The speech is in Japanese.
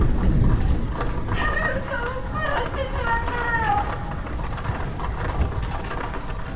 治代さんを殺してしまったのよ